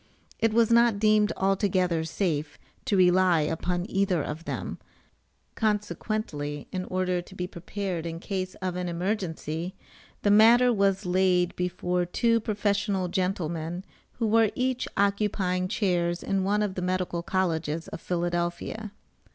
it was not deemed altogether safe to rely upon either of them, consequently in order to be prepared in case of an emergency, the matter was laid before two professional gentlemen who were each occupying chairs in one of the medical colleges of Philadelphia.